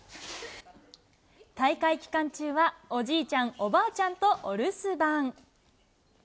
大会期間中はおじいちゃん、おばあちゃんとお留守番。